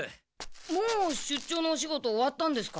もう出張のお仕事終わったんですか？